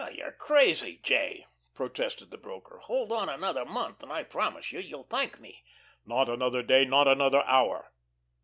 "You're crazy, J.," protested the broker. "Hold on another month, and I promise you, you'll thank me." "Not another day, not another hour.